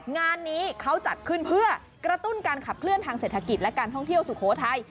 งานนี้เขาจัดขึ้นเพื่อกระตุ้นการขับเคลื่อนทางเศรษฐกิจและการท่องเที่ยวสุโขทัย